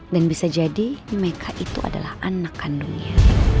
dan bisa jadi mereka itu adalah anak kandungnya